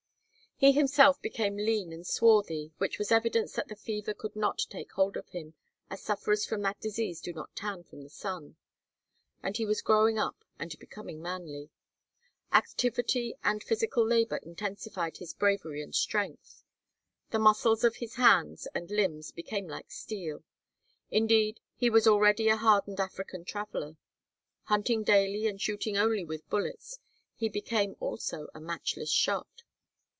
He himself became lean and swarthy, which was evidence that the fever would not take hold of him, as sufferers from that disease do not tan from the sun and he was growing up and becoming manly. Activity and physical labor intensified his bravery and strength. The muscles of his hands and limbs became like steel. Indeed, he was already a hardened African traveler. Hunting daily and shooting only with bullets, he became also a matchless shot.